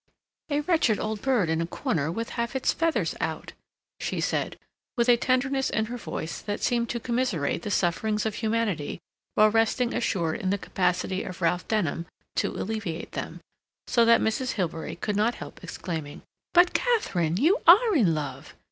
"A wretched old bird in a corner, with half its feathers out," she said, with a tenderness in her voice that seemed to commiserate the sufferings of humanity while resting assured in the capacity of Ralph Denham to alleviate them, so that Mrs. Hilbery could not help exclaiming: "But, Katharine, you are in love!"